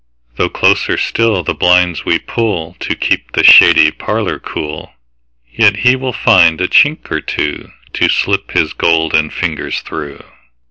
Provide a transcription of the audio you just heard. Though closer still the blinds we pullTo keep the shady parlour cool, Yet he will find a chink or twoTo slip his golden fingers through.